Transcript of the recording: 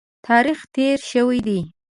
تاریخ تېر شوی دی.